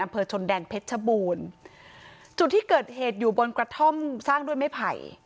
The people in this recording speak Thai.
อำเภอชนแดนเพชรชบูรณ์จุดที่เกิดเหตุอยู่บนกระท่อมสร้างด้วยไม้ไผ่